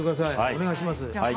お願いします。